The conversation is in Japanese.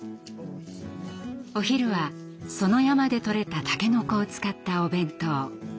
お昼はその山でとれたたけのこを使ったお弁当。